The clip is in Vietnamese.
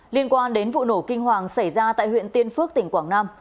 liên quan đến vụ nổ kinh hoàng xảy ra tại huyện tiên phước tỉnh quảng nam